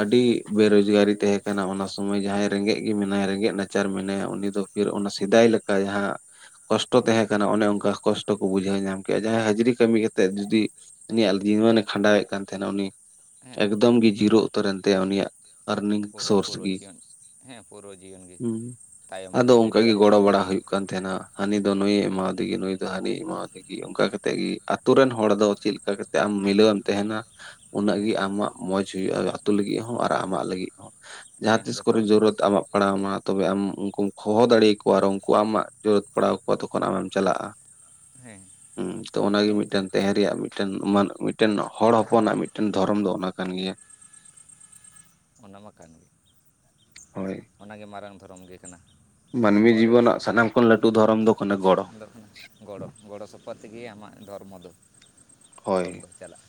ᱟᱹᱰᱤ ᱵᱮᱨᱚᱡᱽᱜᱟᱨᱤ ᱛᱟᱦᱮᱸ ᱠᱟᱱᱟ ᱚᱱᱟ ᱥᱚᱢᱚᱭ ᱡᱟᱦᱟᱸᱭ ᱨᱮᱸᱜᱮᱡ ᱜᱮ ᱢᱮᱱᱟᱭ ᱨᱮᱸᱜᱮᱡ ᱱᱟᱪᱟᱨ ᱢᱮᱱᱟᱭᱟ ᱩᱱᱤ ᱫᱚ ᱯᱷᱤᱨ ᱚᱱᱟ ᱥᱮᱫᱟᱭ ᱞᱮᱠᱟ ᱡᱟᱦᱟᱸ ᱠᱚᱥᱴᱚ ᱦᱮᱸ ᱛᱟᱦᱮᱸ ᱠᱟᱱᱟ ᱚᱱᱮ ᱚᱱᱠᱟ ᱠᱚᱥᱴᱚ ᱠᱚ ᱵᱩᱡᱷᱟᱹᱣ ᱧᱟᱢ ᱠᱮᱭᱟ ᱡᱟᱦᱟᱸᱭ ᱦᱟᱹᱡᱨᱤ ᱠᱟᱹᱢᱤ ᱠᱟᱛᱮᱫ ᱡᱩᱫᱤ ᱩᱱᱤᱭᱟᱜ ᱡᱤᱭᱚᱱᱮ [unintelligible] ᱠᱷᱟᱸᱰᱟᱣᱮᱫ ᱠᱟᱱ ᱛᱟᱦᱮᱱᱟ ᱩᱱᱤ ᱦᱮᱸ ᱮᱠᱫᱚᱢ ᱜᱮ ᱡᱤᱨᱳ ᱩᱛᱟᱹᱨ ᱮᱱ ᱛᱟᱭᱟ ᱩᱱᱤᱭᱟᱜ ᱟᱨᱱᱤᱝ ᱯᱩᱨᱟᱹ ᱥᱳᱨᱥ ᱯᱩᱨᱟᱹ ᱜᱮ ᱡᱤᱭᱚᱱ ᱦᱮᱸ ᱯᱩᱨᱟᱹ ᱡᱤᱭᱚᱱ ᱜᱮ ᱦᱩᱸ ᱛᱟᱭᱚᱢ ᱟᱫᱚ ᱟᱠᱟᱱ ᱛᱟᱭᱟ ᱚᱱᱠᱟ ᱟᱹᱰᱤ ᱜᱮ ᱜᱟᱱ ᱜᱚᱲᱚ ᱛᱟᱭᱚᱢ ᱵᱟᱲᱟ ᱟᱠᱟᱱᱟ ᱦᱩᱭᱩᱜ ᱠᱟᱱ ᱛᱟᱦᱮᱱᱟ ᱦᱟᱱᱤ ᱫᱚ ᱱᱩᱭ‌ᱮ ᱮᱢᱟᱣᱫᱮ ᱜᱮ ᱱᱩᱭ ᱫᱚ ᱦᱟᱱᱤ ᱮᱢᱟᱣᱫᱮ ᱚᱱᱠᱟ ᱠᱟᱛᱮᱫ ᱜᱮ ᱟᱛᱳ ᱨᱮᱱ ᱦᱚᱲ ᱫᱚ ᱪᱮᱫ ᱞᱮᱠᱟ ᱠᱟᱛᱮᱫ ᱟᱢ ᱢᱤᱞᱟᱹᱣ‌ ᱮᱢ ᱛᱟᱦᱮᱱᱟ ᱩᱱᱟᱹᱜ ᱜᱮ ᱦᱮᱸ ᱟᱢᱟᱜ ᱢᱚᱸᱡᱽ ᱦᱩᱭᱩᱜᱼᱟ ᱟᱹᱛᱩ ᱞᱟᱹᱜᱤᱫ ᱦᱚᱸ ᱟᱨ ᱟᱢᱟᱜ ᱞᱟᱹᱜᱤᱫ ᱦᱚᱸ ᱡᱟᱦᱟᱸ ᱦᱮᱸ ᱛᱤᱥ ᱡᱚᱛᱚ ᱠᱚᱨᱮ ᱦᱚᱲ ᱞᱟᱹᱜᱤᱫ ᱡᱚᱨᱩᱨᱟᱛ ᱟᱞᱚ ᱯᱟᱲᱟᱣᱢᱟ ᱛᱚᱵᱮ ᱟᱢ ᱩᱱᱠᱩᱢ ᱦᱚᱦᱚ ᱫᱟᱲᱮ ᱟᱠᱚᱣᱟ ᱟᱨ ᱩᱱᱠᱩ ᱟᱢᱟᱜ ᱡᱚᱨᱩᱛ ᱯᱟᱲᱟᱣ ᱠᱚᱣᱟ ᱛᱚᱠᱷᱚᱱ ᱟᱢᱮᱢ ᱪᱟᱞᱟᱜᱼᱟ ᱦᱮᱸ ᱦᱩᱸ ᱛᱚ ᱚᱱᱟ ᱚᱱᱟᱜᱮ ᱢᱟ ᱢᱤᱫᱴᱮᱱ ᱠᱟᱛᱷᱟ ᱛᱟᱦᱮᱸ ᱨᱮᱭᱟᱜ ᱢᱤᱫ ᱴᱮᱱ ᱢᱤᱫᱴᱮᱱ ᱦᱚᱲ ᱦᱚᱯᱚᱱᱟᱜ ᱢᱤᱫᱴᱮᱱ ᱫᱷᱚᱨᱚᱢ ᱫᱚ ᱚᱱᱟ ᱠᱟᱱ ᱜᱮᱭᱟ ᱚᱱᱟ ᱢᱟ ᱠᱟᱱ ᱜᱮ ᱦᱳᱭ ᱚᱱᱟᱜᱮ ᱢᱟᱨᱟᱝ ᱫᱷᱚᱨᱚᱢ ᱜᱮ ᱠᱟᱱᱟ ᱾ ᱢᱟᱹᱱᱢᱤ ᱡᱤᱵᱚᱱᱟᱜ ᱥᱟᱱᱟᱢ ᱠᱷᱚᱱ ᱞᱟᱹᱴᱩ ᱫᱷᱚᱨᱚᱢ ᱫᱚ ᱠᱟᱱᱟ ᱜᱚᱲᱚ ᱾ ᱟᱯᱟ ᱛᱮᱜᱮ ᱟᱢᱟᱜ ᱫᱷᱚᱨᱢᱚ ᱫᱚ ᱦᱳᱭ ᱫᱷᱚᱨᱚᱢ ᱫᱚ ᱪᱟᱞᱟᱜᱼᱟ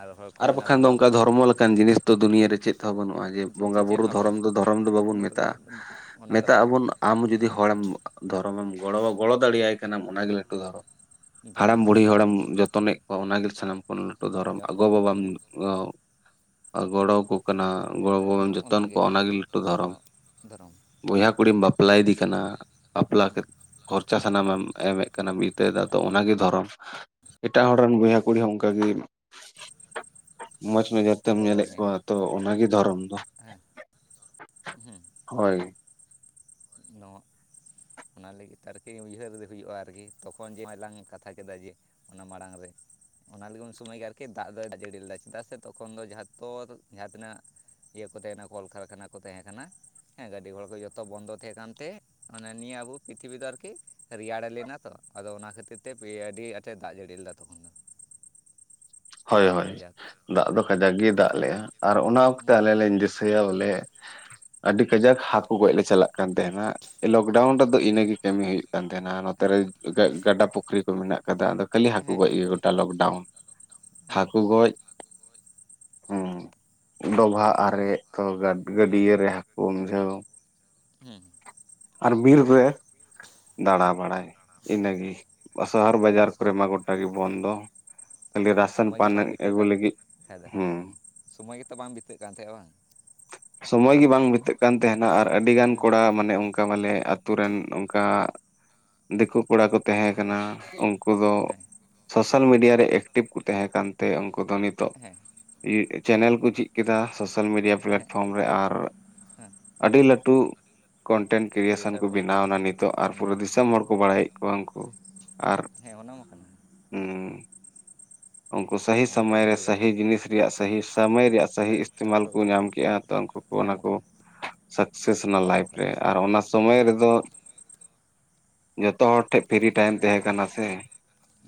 ᱟᱨ ᱦᱚᱲ ᱠᱚ ᱢᱮᱱᱟ ᱵᱚᱸᱜᱟ ᱵᱩᱨᱩᱜ ᱚᱱᱠᱟᱱ ᱡᱤᱱᱤᱥ ᱫᱚ ᱫᱩᱱᱭᱟᱹ ᱨᱮ ᱪᱮᱫ ᱦᱚᱸ ᱵᱟᱹᱱᱩᱜᱼᱟ᱾ ᱡᱮ ᱵᱚᱸᱜᱟ ᱪᱮᱫ ᱵᱩᱨᱩ ᱦᱚᱸ ᱫᱷᱚᱨᱚᱢ ᱵᱟᱹᱱᱩᱜᱼᱟ ᱫᱚ ᱫᱷᱚᱨᱚᱢ ᱫᱚ ᱵᱟᱵᱚᱱ ᱢᱮᱛᱟᱜᱼᱟ ᱚᱱᱟ ᱫᱚ ᱢᱮᱛᱟᱜ ᱵᱟᱝ ᱟᱵᱚᱱ ᱠᱟᱱᱟ ᱟᱢ ᱡᱩᱫᱤ ᱦᱚᱲᱮᱢ ᱫᱷᱚᱨᱚᱢᱮᱢ ᱜᱚᱲᱚ ᱜᱚᱲᱚ ᱫᱟᱲᱮᱭᱟᱭ ᱠᱟᱱᱟᱢ ᱚᱱᱟᱜᱮ ᱞᱟᱹᱴᱩ ᱫᱷᱚᱨᱚᱢ ᱫᱷᱚᱨᱚᱢ ᱦᱟᱲᱟᱢ ᱫᱚ ᱵᱩᱲᱦᱤ ᱦᱚᱲᱮᱢ ᱡᱚᱛᱚᱱᱮᱫ ᱠᱚᱣᱟ ᱚᱱᱟᱜᱮ ᱥᱟᱱᱟᱢ ᱠᱷᱚᱱ ᱞᱟᱹᱴᱩ ᱫᱷᱚᱨᱚᱢ [unintelligible] ᱜᱚ ᱵᱟᱵᱟᱢ ᱦᱮᱸ ᱜᱚᱲᱚ ᱠᱚ ᱠᱟᱱᱟ ᱜᱚᱲᱚ [unintelligible] ᱡᱚᱛᱚᱱ ᱠᱚᱣᱟ ᱚᱱᱟᱜᱮ ᱞᱟᱹᱴᱩ ᱫᱷᱚᱨᱚᱢ ᱦᱚᱸ ᱫᱷᱚᱨᱚᱢ ᱵᱚᱭᱦᱟ ᱠᱩᱲᱤᱢ ᱵᱟᱯᱞᱟᱭ ᱫᱮ ᱠᱟᱱᱟ ᱵᱟᱯᱞᱟ ᱦᱮᱸ ᱠᱟᱛ ᱠᱷᱚᱨᱪᱟ ᱥᱟᱱᱟᱢᱮᱢ ᱮᱢᱮᱫ ᱠᱟᱱᱟᱢ ᱵᱤᱛᱟᱹᱭ ᱫᱟ ᱛᱚ ᱤᱧᱟᱹᱜ ᱚᱱᱟᱜᱮ ᱫᱷᱚᱨᱚᱢ ᱮᱴᱟᱜ ᱦᱚᱲ ᱨᱮᱱ ᱵᱚᱭᱦᱟ ᱠᱩᱲᱤ ᱦᱚᱸ ᱚᱱᱠᱟᱜ ᱜᱮ ᱢᱚᱸᱡᱽ ᱱᱚᱡᱚᱨ ᱛᱮᱢ ᱜᱚᱲᱚ ᱧᱮᱞᱮᱫ ᱟᱹᱧᱢᱮ ᱠᱚᱣᱟ ᱛᱚ ᱚᱱᱟᱜᱮ ᱫᱷᱚᱨᱚᱢ ᱫᱚ᱾ ᱦᱮᱸ ᱦᱮᱸ ᱦᱳᱭ ᱱᱚᱣᱟ ᱚᱱᱟ ᱞᱟᱹᱜᱤᱫ ᱛᱮ ᱟᱨᱠᱤ ᱩᱭᱦᱟᱹᱨ ᱦᱩᱭᱩᱜᱼᱟ ᱟᱨᱠᱤ ᱛᱚᱠᱷᱚᱱ ᱡᱮ ᱱᱚᱣᱟᱞᱟᱝ ᱠᱟᱛᱷᱟ ᱠᱮᱫᱟ ᱡᱮ ᱚᱱᱟ ᱢᱟᱲᱟᱝ ᱨᱮ ᱚᱱᱟ ᱞᱟᱹᱜᱤᱫ ᱩᱱ ᱥᱚᱢᱚᱭ ᱜᱮ ᱟᱨᱠᱤ ᱫᱟᱜ ᱫᱚᱭ ᱫᱟᱜ ᱡᱟᱹᱲᱤ ᱞᱮᱫᱟ ᱪᱮᱫᱟᱜ ᱥᱮ ᱛᱚᱠᱷᱚᱱ ᱫᱚ ᱡᱟᱦᱟᱸ ᱛᱚᱞ ᱡᱟᱦᱟ ᱛᱤᱱᱟᱹᱜ ᱤᱭᱟᱹ ᱠᱚ ᱛᱟᱦᱮᱸᱱᱟ ᱠᱚᱞ ᱠᱟᱨᱠᱷᱟᱱᱟ ᱠᱚ ᱛᱟᱦᱮᱸ ᱠᱟᱱᱟ ᱦᱮᱸ ᱜᱟᱹᱰᱤ ᱜᱷᱚᱲᱟ ᱠᱚ ᱡᱚᱛᱚ ᱵᱚᱱᱫᱚ ᱛᱟᱦᱮᱸ ᱠᱟᱱᱛᱮ ᱢᱟᱱᱮ ᱱᱤᱭᱟᱹ ᱟᱵᱚ ᱯᱛᱷᱤᱵᱤ ᱫᱚ ᱟᱨᱠᱤ ᱨᱮᱭᱟᱲ ᱞᱮᱱᱟ ᱛᱚ ᱟᱫᱚ ᱚᱱᱟ ᱠᱷᱟᱹᱛᱤᱨ ᱛᱮ [unintelligible] ᱟᱹᱰᱤ ᱟᱸᱴᱮ ᱫᱟᱜ ᱡᱟᱹᱲᱤ ᱞᱮᱫᱟ ᱛᱚᱠᱷᱚᱱ ᱫᱚ᱾ ᱦᱳᱭ ᱦᱳᱭ ᱠᱟᱡᱟᱠ ᱫᱟᱜ ᱫᱚ ᱠᱟᱡᱟᱠ ᱜᱮᱭ ᱫᱟᱜ ᱞᱮᱜᱼᱟ ᱟᱨ ᱚᱱᱟ ᱚᱠᱛᱮ ᱟᱞᱮ ᱞᱮᱧ ᱫᱤᱥᱟᱹᱭᱟ ᱵᱚᱞᱮ ᱟᱹᱰᱤ ᱠᱟᱡᱟᱠ ᱦᱟᱠᱳ ᱜᱚᱡ ᱞᱮ ᱪᱟᱞᱟᱜ ᱠᱟᱱ ᱛᱟᱦᱮᱱᱟ᱾ ᱞᱚᱠᱰᱟᱣᱩᱱ ᱦᱮᱸ ᱨᱮᱫᱚ ᱤᱱᱟᱹᱜᱮ ᱠᱟᱹᱢᱤ ᱦᱩᱭᱩᱜ ᱠᱟᱱ ᱛᱟᱦᱮᱱᱟ ᱱᱚᱛᱮᱨᱮ ᱜᱟ ᱜᱟᱰᱟ ᱯᱩᱠᱷᱨᱤ ᱠᱚ ᱢᱮᱱᱟᱜ ᱠᱟᱫᱟ ᱟᱫᱚ ᱠᱷᱟᱹᱞᱤ ᱦᱟᱹᱠᱩ ᱦᱮᱸ ᱜᱚᱡ ᱜᱮ ᱜᱚᱴᱟ ᱞᱚᱠᱰᱟᱣᱩᱱ ᱦᱟᱹᱠᱩ ᱜᱚᱡ ᱦᱮᱸ ᱰᱚᱵᱷᱟᱜ ᱟᱨᱮᱡ ᱛᱚ ᱦᱮᱸ ᱜᱟᱹᱰᱭᱟᱹ ᱨᱮ ᱦᱟᱹᱠᱩ ᱩᱢᱡᱷᱟᱹᱣ ᱟᱨ ᱵᱤᱨ ᱨᱮ ᱫᱟᱬᱟ ᱵᱟᱲᱟᱭ ᱤᱱᱟᱹᱜᱮ ᱥᱟᱦᱟᱨ ᱦᱮᱸ ᱦᱮᱸ ᱵᱟᱡᱟᱨ ᱠᱚᱨᱮ ᱢᱟ ᱜᱚᱴᱟ ᱜᱮ ᱵᱚᱱᱫᱚ ᱠᱷᱟᱹᱞᱤ ᱨᱟᱥᱚᱱ ᱥᱳᱚᱢᱚᱭ ᱜᱮ ᱯᱟᱱ ᱵᱟᱝ ᱵᱤᱛᱟᱹᱜ ᱟᱹᱜᱩ ᱠᱟᱱ ᱞᱟᱹᱜᱤᱫ ᱠᱷᱟᱡ ᱫᱚ ᱦᱩᱸ ᱮᱸ ᱥᱳᱚᱢᱚᱭ ᱜᱮᱛᱚ ᱵᱟᱝ ᱵᱤᱛᱟᱹᱜ ᱠᱟᱱ ᱛᱟᱦᱮᱸᱜᱼᱟ ᱵᱟᱝ ᱥᱚᱢᱚᱭ ᱜᱮ ᱵᱟᱝ ᱵᱤᱛᱟᱹᱜ ᱠᱟᱱ ᱛᱟᱦᱮᱱᱟ ᱟᱨ ᱟᱹᱰᱤ ᱜᱟᱱ ᱦᱮᱸ ᱚᱱᱟ ᱠᱚᱲᱟ ᱦᱚᱸ ᱢᱟᱱᱮ ᱚᱱ ᱚᱱᱠᱟ ᱢᱟᱞᱮ ᱟᱛᱳ ᱨᱮᱱ ᱚᱱᱠᱟ ᱫᱤᱠᱩ ᱠᱚᱲᱟ ᱠᱚ ᱛᱟᱦᱮᱸ ᱠᱟᱱᱟ ᱩᱱᱠᱩ ᱫᱚ ᱦᱮᱸ ᱥᱳᱥᱟᱞ ᱢᱤᱰᱤᱭᱟ ᱨᱮ ᱮᱠᱴᱤᱵᱷ ᱠᱚ ᱛᱟᱦᱮᱸ ᱠᱟᱱᱛᱮ ᱩᱱᱠᱩ ᱫᱚ ᱱᱤᱛᱚᱜ ᱦᱮᱸ ᱪᱮᱱᱮᱞ ᱠᱚ ᱪᱮᱫ ᱠᱮᱫᱟ ᱥᱳᱥᱟᱞ ᱢᱤᱰᱤᱭᱟ ᱦᱮᱸ ᱯᱞᱟᱴᱯᱷᱨᱚᱢ ᱨᱮ ᱟᱨ ᱦᱮᱸ ᱟᱹᱰᱤ ᱞᱟᱹᱴᱩ ᱠᱚᱱᱴᱮᱱᱴ ᱠᱨᱤᱭᱮᱥᱮᱱ ᱠᱚ ᱵᱮᱱᱟᱣ ᱱᱟ ᱱᱤᱛᱚᱜ ᱟᱨ ᱯᱩᱨᱟᱹ ᱵᱮᱱᱟᱣ ᱫᱤᱥᱚᱢ ᱦᱚᱲ ᱠᱚ ᱵᱟᱲᱟᱭᱮᱫ ᱠᱚᱣᱟ ᱩᱱᱠᱩ ᱟᱨ ᱚᱱᱟᱢᱟ ᱠᱟᱱᱟ ᱦᱩᱢ ᱩᱱᱠᱩ ᱥᱟᱹᱦᱤ ᱩᱱ ᱥᱚᱢᱚᱭ ᱠᱷᱚᱱ ᱜᱮ ᱨᱮ ᱟᱹᱰᱤ ᱜᱟᱱ ᱥᱟᱹᱦᱤ ᱡᱤᱱᱤᱥ ᱨᱮᱭᱟᱜ ᱥᱟᱹᱦᱤ ᱥᱚᱢᱚᱭ ᱨᱮᱭᱟᱜ ᱥᱟᱹᱦᱤ ᱤᱥᱛᱮᱢᱟᱞ ᱠᱚ ᱧᱟᱢ ᱠᱮᱜᱼᱟ ᱛᱚ ᱩᱱᱠᱩ ᱠᱚ ᱚᱱᱟ ᱧᱟᱢ ᱠᱚ ᱠᱟᱫᱟ ᱥᱟᱠᱥᱮᱥ ᱱᱟ ᱠᱚᱨᱟᱣ ᱞᱟᱭᱤᱯᱷ ᱨᱮ ᱠᱟᱫᱟ ᱟᱨ ᱚᱱᱟ ᱥᱚᱢᱚᱭ ᱦᱮᱸ ᱨᱮᱫᱚ ᱡᱚᱛᱚ ᱦᱚᱲ ᱴᱷᱮᱡ ᱯᱷᱨᱤ ᱴᱟᱭᱤᱢ ᱛᱟᱦᱮᱸ ᱠᱟᱱᱟ ᱥᱮ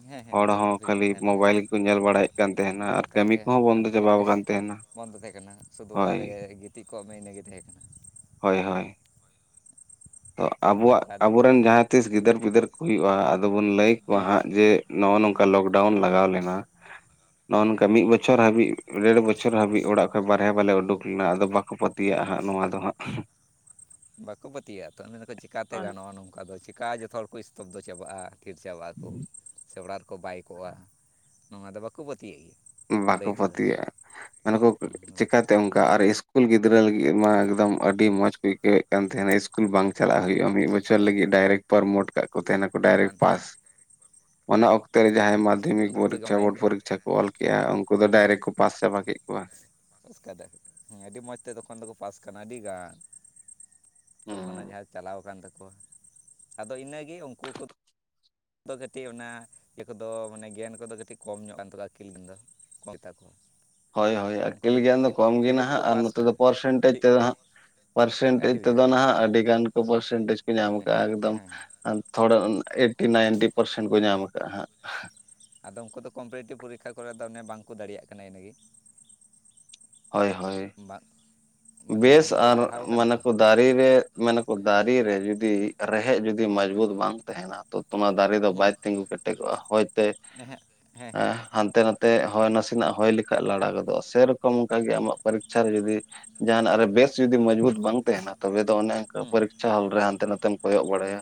ᱦᱮᱸ ᱦᱮᱸ ᱦᱚᱲ ᱡᱚᱛᱚ ᱦᱚᱸ ᱯᱷᱨᱤ ᱠᱷᱟᱹᱞᱤ ᱴᱟᱭᱤᱢ ᱛᱟᱦᱮᱸ ᱢᱳᱵᱟᱭᱤᱞ ᱠᱟᱱᱟ ᱠᱚ ᱧᱮᱞ ᱵᱟᱲᱟᱭᱮᱫ ᱠᱟᱱ ᱛᱟᱦᱮᱱᱟ ᱟᱨ ᱛᱟᱦᱮᱱ ᱠᱟᱹᱢᱤ ᱛᱮ ᱠᱚᱦᱚᱸ ᱟᱨ ᱵᱚᱱᱫᱚ ᱪᱮᱫ ᱪᱟᱵᱟᱣᱟᱠᱟᱱ ᱛᱟᱦᱮᱸᱱᱟ ᱵᱚᱱᱫᱚ ᱛᱟᱦᱮᱸ ᱠᱟᱱᱟ ᱥᱩᱫᱷᱩ ᱚᱲᱟᱜ ᱨᱮᱜ ᱜᱤᱛᱤᱡ ᱠᱚᱜ ᱢᱮ ᱤᱱᱟᱹᱜᱮ ᱛᱟᱦᱮᱸ ᱠᱟᱱᱟ ᱦᱳᱭ ᱦᱳᱭ ᱛᱚ ᱟᱵᱚᱣᱟᱜ ᱱᱚᱝᱠᱟ ᱫᱤᱱ ᱫᱚ ᱟᱵᱚᱨᱮᱱ ᱡᱟᱦᱟᱸ ᱛᱤᱥ ᱜᱤᱫᱟᱹᱨ ᱯᱤᱫᱟᱹᱨ ᱠᱚ ᱦᱩᱭᱩᱜᱼᱟ ᱟᱫᱚ ᱵᱚᱱ ᱞᱟᱹᱭ ᱟᱠᱚᱣᱟ ᱦᱮᱸ ᱦᱟᱸᱜ ᱡᱮ ᱱᱚᱜᱼᱚ ᱱᱚᱝᱠᱟ ᱞᱚᱠᱰᱟᱣᱩᱱ ᱞᱟᱜᱟᱣ ᱞᱮᱱᱟ ᱱᱚᱜ-ᱚ ᱦᱮᱸ ᱱᱚᱝᱠᱟ ᱢᱤᱫ ᱵᱚᱪᱷᱚᱨ ᱦᱟᱹᱵᱤᱡ ᱫᱮᱹᱲ ᱵᱚᱪᱷᱚᱨ ᱦᱟᱹᱵᱤᱡ ᱚᱲᱟᱜ ᱠᱷᱚᱡ ᱵᱟᱨᱦᱮ ᱵᱟᱞᱮ ᱩᱰᱩᱠ ᱞᱮᱱᱟ ᱟᱫᱚ ᱵᱟᱠᱚᱯᱟᱹᱛ ᱛᱮᱭᱟᱜ-ᱟ ᱦᱟᱸᱜ ᱱᱚᱣᱟ ᱫᱚ ᱦᱟᱸᱜ ᱵᱟᱠᱚ ᱯᱟᱹᱛᱭᱟᱹᱜᱼᱟ ᱛᱚ ᱩᱱ ᱫᱚᱠᱚ ᱪᱮᱠᱟᱛᱮ ᱦᱳᱭ ᱜᱟᱱᱚᱜᱼᱟ ᱱᱚᱝᱠᱟ ᱫᱚ ᱪᱮᱠᱟ ᱡᱚᱛᱚ ᱦᱚᱲ ᱠᱚ ᱤᱥᱛᱚᱯᱫᱚ ᱪᱟᱵᱟᱜᱼᱟ ᱛᱷᱤᱨ ᱪᱟᱵᱟᱜ ᱟᱠᱚ ᱥᱮ ᱚᱲᱟᱜ ᱨᱮᱠᱚ ᱵᱟᱭ ᱠᱚᱜᱼᱟ ᱱᱚᱣᱟ ᱫᱚ ᱵᱟᱠᱚ ᱯᱟᱹᱛᱭᱟᱹᱜ ᱜᱮᱭᱟ ᱵᱟᱠᱚ ᱞᱟᱹᱭ ᱛᱮᱫᱚ ᱯᱟᱹᱛᱭᱟᱜ-ᱟ ᱦᱮᱸ ᱱᱟᱠᱩ ᱞᱟᱹᱭ ᱪᱮᱠᱟ ᱛᱮ ᱚᱱᱠᱟ ᱟᱨ ᱤᱥᱠᱩᱞ ᱜᱤᱫᱽᱨᱟᱹ ᱞᱟᱹᱜᱤᱫ ᱢᱟ ᱮᱠᱫᱚᱢ ᱟᱹᱰᱤ ᱢᱚᱸᱡᱽ ᱠᱚ ᱟᱹᱭᱠᱟᱹᱣᱮᱫ ᱠᱟᱱ ᱛᱟᱦᱮᱸᱱᱟ ᱤᱥᱠᱩᱞ ᱤᱥᱠᱩᱞ ᱵᱟᱝ ᱪᱟᱞᱟᱜ ᱦᱩᱭᱩᱜᱼᱟ, ᱢᱤᱫ ᱵᱚᱪᱷᱚᱨ ᱦᱮᱸ ᱞᱟᱹᱜᱤᱫ ᱰᱟᱭᱨᱮᱠᱴ ᱯᱟᱨᱢᱳᱴ ᱠᱟᱜ ᱠᱚ ᱛᱟᱦᱮᱸᱱᱟ ᱠᱟᱱ ᱰᱟᱭᱨᱮᱠᱴ ᱯᱟᱥ ᱛᱟᱠᱚᱣᱟ ᱚᱱᱟ ᱚᱠᱛᱮ ᱨᱮ ᱡᱟᱦᱟᱸᱭ ᱢᱟᱫᱽᱫᱷᱚᱢᱤᱠ ᱡᱚᱛᱚ ᱜᱮ ᱯᱚᱨᱤᱠᱠᱷᱟ ᱚᱱᱞᱟᱭᱤᱱ ᱵᱳᱨᱰ ᱯᱚᱨᱤᱠᱠᱷᱟ ᱠᱚ ᱚᱞ ᱠᱮᱜᱼᱟ ᱩᱱᱠᱩ ᱫᱚ ᱚᱱᱠᱟ ᱰᱟᱭᱨᱮᱴ ᱠᱚ ᱯᱟᱥ ᱪᱟᱵᱟ ᱠᱚᱫᱚ ᱠᱮᱫ ᱠᱚᱣᱟ᱾ ᱯᱟᱥ ᱠᱟᱫᱟ ᱦᱮᱸ ᱟᱹᱰᱤ ᱢᱚᱸᱡᱽ ᱛᱮ ᱛᱚᱠᱷᱚᱱ ᱫᱚᱠᱚ ᱯᱟᱥ ᱠᱟᱱᱟ ᱟᱹᱰᱤ ᱜᱟᱱ ᱦᱩᱸ ᱛᱚᱠᱷᱚᱱᱟᱜ ᱡᱟᱦᱟᱸ ᱪᱟᱞᱟᱣ ᱠᱟᱱ ᱛᱟᱠᱚᱣᱟ ᱟᱫᱚ ᱤᱱᱟᱹᱜᱮ ᱩᱱᱠᱩ ᱦᱚᱸᱠᱚ ᱫᱚ ᱠᱟᱹᱴᱤᱡ ᱚᱱᱟ ᱤᱭᱟᱹ ᱠᱚᱫᱚ ᱢᱟᱱᱮ ᱜᱮᱭᱟᱱ ᱠᱚᱫᱚ ᱠᱟᱹᱴᱤᱡ ᱠᱚᱢ ᱧᱚᱜ ᱠᱟᱱ ᱛᱟᱠᱚᱣᱟ ᱟᱹᱠᱤᱞ ᱠᱤᱱ ᱫᱚ᱾ ᱠᱚᱭ ᱛᱟᱠᱚᱣᱟ᱾ ᱦᱳᱭ ᱦᱳᱭ ᱟᱹᱠᱤᱞ ᱜᱮᱭᱟᱱ ᱫᱚ ᱠᱚᱢ ᱜᱮ ᱱᱟᱦᱟᱸᱜ ᱛᱮᱠᱚ ᱟᱨ ᱯᱟᱥ ᱱᱚᱛᱮ ᱫᱚ ᱠᱟᱱᱟ ᱯᱚᱨᱥᱮᱱᱴᱮᱡᱽ ᱛᱮᱫᱚ ᱦᱟᱸᱜ᱾ ᱯᱟᱨᱥᱮᱱᱴᱮᱡᱽ ᱟᱹᱰᱤ ᱛᱮᱫᱚ ᱜᱮᱛᱟ ᱠᱚᱣᱟ ᱱᱟᱦᱟᱜ ᱟᱹᱰᱤᱜᱟᱱ ᱠᱚ ᱯᱟᱨᱥᱮᱱᱴᱮᱡᱽ ᱠᱚ ᱧᱟᱢ ᱠᱟᱜᱼᱟ ᱮᱠᱫᱚᱢ ᱦᱮᱸ ᱟᱨ ᱛᱷᱚᱲᱟ ᱮᱭᱤᱴᱴᱤ ᱱᱟᱭᱤᱱᱴᱤ ᱯᱟᱨᱥᱮᱱ ᱠᱚ ᱧᱟᱢ ᱟᱠᱟᱫᱟᱼᱟ ᱦᱟᱸᱜ᱾ ᱟᱫᱚ ᱩᱱᱠᱩ ᱫᱚ ᱠᱚᱢᱯᱤᱴᱤᱮᱴᱤᱵᱽ ᱯᱚᱨᱤᱠᱷᱟ ᱠᱚᱨᱮ ᱫᱚ ᱚᱱᱮ ᱵᱟᱝ ᱠᱚ ᱫᱟᱲᱮᱭᱟᱜ ᱠᱟᱱᱟ ᱤᱱᱟᱹᱜᱮ᱾ ᱦᱳᱭ ᱦᱳᱭ ᱵᱟᱝ ᱢᱟᱱᱮ ᱵᱮᱥ ᱵᱟᱝᱠᱚ ᱟᱨ ᱯᱟᱲᱦᱟᱣ ᱠᱟᱱᱟ ᱢᱟᱱᱮ ᱛᱚ ᱠᱚ ᱫᱟᱨᱮ ᱨᱮ ᱢᱮᱱᱟᱠᱚ ᱫᱟᱨᱮ ᱨᱮ ᱡᱩᱫᱤ ᱨᱮᱦᱮᱫ ᱡᱩᱫᱤ ᱢᱚᱡᱽᱵᱩᱛ ᱵᱟᱝ ᱛᱟ ᱛᱟᱦᱮᱱᱟ ᱛᱚ, ᱚᱱᱟ ᱫᱟᱨᱮ ᱫᱚ ᱦᱮᱸ ᱵᱟᱭ ᱛᱤᱸᱜᱩ ᱠᱮᱴᱮᱡᱚᱜᱼᱟ ᱦᱚᱭᱛᱮ ᱦᱮᱸ ᱦᱮᱸ ᱦᱮᱸ ᱦᱟᱱᱛᱮ ᱱᱟᱛᱮ ᱛᱮ ᱦᱚᱭ ᱱᱟᱥᱮᱱᱟᱜ ᱦᱚᱭ ᱞᱮᱠᱷᱟᱡ ᱞᱟᱲᱟ ᱜᱚᱫᱚᱜᱼᱟ ᱥᱮᱨᱚᱠᱚᱢ ᱚᱱᱠᱟᱜ ᱜᱮ ᱟᱢᱟᱜ ᱯᱚᱨᱤᱠᱷᱟ ᱨᱮ ᱡᱩᱫᱤ ᱡᱟᱦᱱᱟᱜ ᱨᱮ ᱵᱮᱥ ᱡᱩᱫᱤ ᱢᱚᱸᱡᱽᱵᱩᱛ ᱵᱟᱝ ᱛᱟᱦᱮᱸᱱᱟ ᱛᱚᱵᱮ ᱫᱚ ᱚᱱᱮ ᱚᱱᱠᱟ ᱦᱮᱸ ᱯᱚᱨᱤᱠᱷᱟ ᱦᱚᱞ ᱨᱮ ᱦᱟᱱᱛᱮ ᱱᱟᱛᱮᱢ ᱠᱚᱭᱚᱜ ᱵᱟᱲᱟᱭᱟ᱾